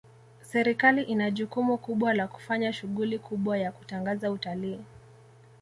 serikali ina jukumu kubwa la kufanya shughuli kubwa ya kutangaza utalii